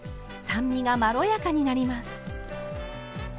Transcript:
酸味がまろやかになります。